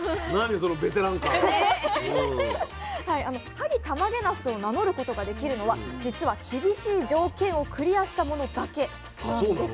萩たまげなすを名乗ることができるのはじつは厳しい条件をクリアしたものだけなんです。